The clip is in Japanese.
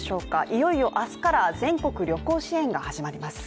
いよいよ明日から全国旅行支援が始まります。